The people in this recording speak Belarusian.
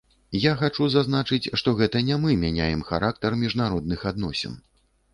Я хачу зазначыць, што гэта не мы мяняем характар міжнародных адносін.